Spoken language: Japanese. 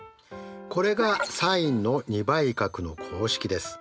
これがサインの２倍角の公式です。